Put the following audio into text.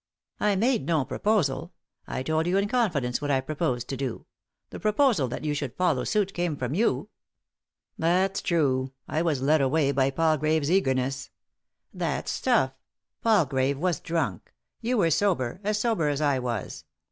"I made no proposal. I told you in confidence what I proposed to do ; the proposal that you should follow suit came from you." " That's true ; I was led away by Palgravc's eager ness." "That's stuff. Palgrave was drunk. You were sober, as sober as I was.